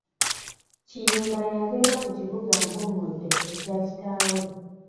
Kiyimba yabeera ku kibuga Mpummudde ekya kitaawe.